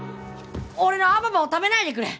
俺のアババを食べないでくれ！